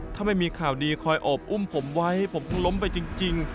ถ้าไม่มีข่าวดีคอยโอบอุ้มผมไว้ผมคงล้มไปจริง